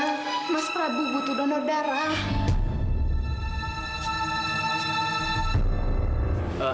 kak malena mas prabu butuh donor darah